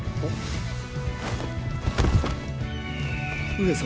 上様！